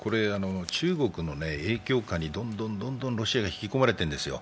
中国の影響下にどんどんロシアが引き込まれてるんですよ。